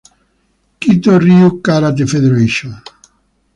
Chito-ryu Karate Federation.